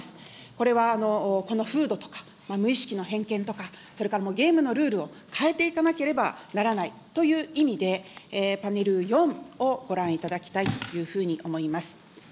これはこの風土とか、無意識の偏見とか、それからゲームのルールを変えていかなければならないという意味で、パネル４をご覧いただきたいというふうに思います。